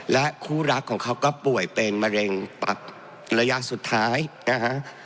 และคู่รักของเขาก็ป่วยเป็นมะเร็งปักระยะสุดท้ายนะฮะ